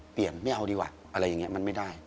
เปลี่ยนไม่เอาดีว่าอะไรอย่างนี้มันไม่ได้